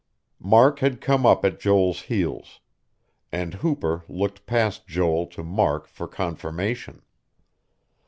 Mark had come up at Joel's heels; and Hooper looked past Joel to Mark for confirmation.